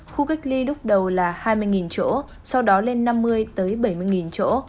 khu cách ly lúc đầu là hai mươi chỗ sau đó lên năm mươi bảy mươi chỗ